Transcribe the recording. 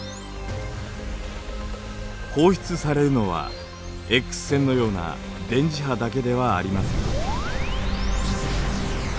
放出されるのはＸ線のような電磁波だけではありません。